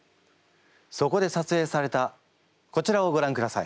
そこでさつえいされたこちらをごらんください。